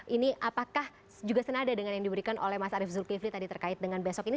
ini apakah juga senada dengan yang diberikan oleh mas arief zulkifli tadi terkait dengan besok ini